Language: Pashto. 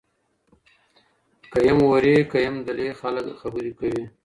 كه يم اورې كـــــه يـــم دلې خــلـګ خـبــري كـوي